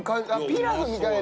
ピラフみたいな。